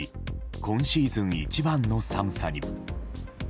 今シーズン一番の寒さに。